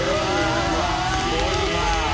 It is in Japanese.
「すごいね！」